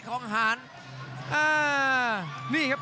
โอ้โหเดือดจริงครับ